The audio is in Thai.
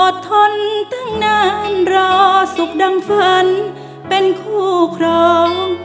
ทนตั้งนานรอสุขดังฝันเป็นคู่ครอง